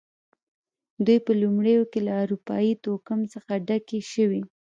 دوی په لومړیو کې له اروپايي توکم څخه ډکې شوې.